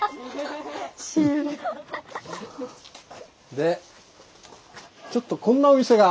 でちょっとこんなお店が。